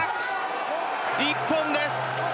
一本です！